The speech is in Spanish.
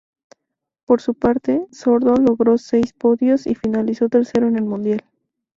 Por su parte, Sordo logró seis podios y finalizó tercero en el mundial.